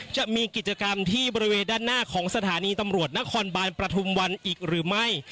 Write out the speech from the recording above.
จะมีกิจกรรมที่บริเวณด้านหน้าของสถานีตำรวจนครบานประทุมวันอีกหรือไม่